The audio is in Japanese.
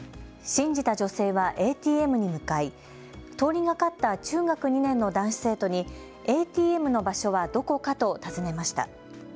信じた女性はＡＴＭに向かい通りがかった中学２年の男子生徒に、ＡＴＭの場所はどこかと尋ねました。